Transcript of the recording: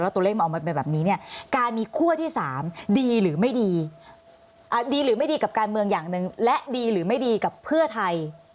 ตัวเลขมันออกมาเป็นแบบนี้เนี่ยการมีคั่วที่๓ดีหรือไม่ดีดีหรือไม่ดีกับการเมืองอย่างหนึ่งและดีหรือไม่ดีกับเพื่อไทย